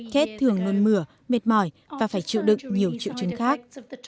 kết thường luôn mửa mệt mỏi và phải chịu đựng nhiều triệu chứng khác